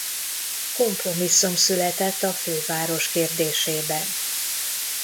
Kompromisszum született a főváros kérdésében.